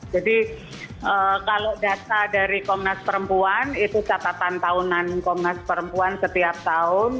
jadi kalau data dari komnas perempuan itu catatan tahunan komnas perempuan setiap tahun